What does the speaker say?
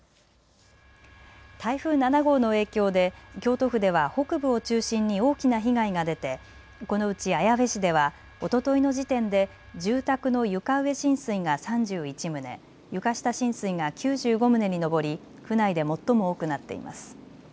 台風７号の影響で京都府では北部を中心に大きな被害が出てこのうち綾部市ではおとといの時点で住宅の床上浸水が３１棟、床下浸水が９５棟に上り府内で最も多くなっています。